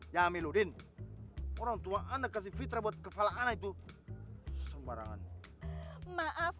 jamil udin orang tua anak kasih fitrah buat kepala anak itu sembarangan maaf